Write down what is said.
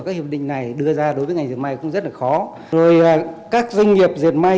các hiệp định này đưa ra đối với ngành diệt may cũng rất là khó rồi các doanh nghiệp diệt may